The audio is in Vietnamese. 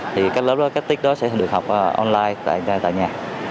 thì các lớp đó các tiết đó sẽ được học online tại nhà